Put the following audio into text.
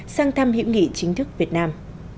sang thăm hiệu nghị chính thức việt nam